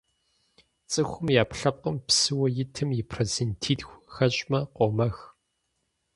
Цӏыхум и ӏэпкълъэпкъым псыуэ итым и процентитху хэщӏмэ къомэх.